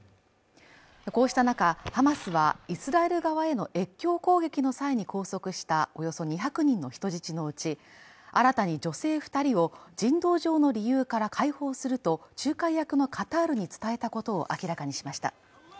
こうした中、ハマスはイスラエル側への越境攻撃の際に拘束したおよそ２００人の人質のうち、新たに女性２人を人道上の理由から解放すると仲介役のカタールに伝えたことを明らかにしました。